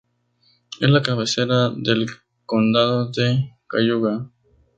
Es la cabecera del condado de Cayuga.